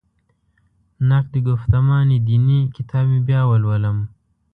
نقد ګفتمان دیني کتاب مې بیا ولولم.